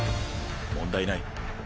問題ない。